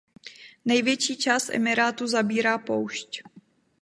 Největší část emirátu zabírá poušť.